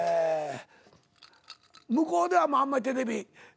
向こうではあんまりテレビとか。